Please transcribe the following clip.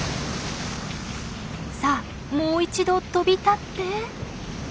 さあもう一度飛び立って。